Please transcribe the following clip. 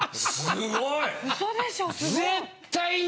・すごい！